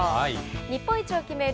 日本一を決める